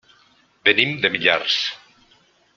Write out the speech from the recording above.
Venim de Millars.